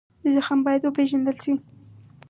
زخم باید وپېژندل شي.